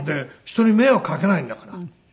人に迷惑かけないんだから。